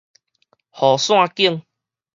雨傘襇